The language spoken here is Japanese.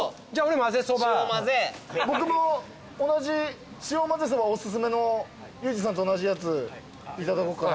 僕も同じ潮まぜそばおすすめのユージさんと同じやついただこうかな。